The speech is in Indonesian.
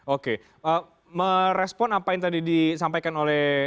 oke merespon apa yang tadi disampaikan oleh